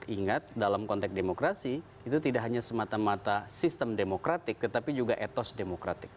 ingat dalam konteks demokrasi itu tidak hanya semata mata sistem demokratik tetapi juga etos demokratik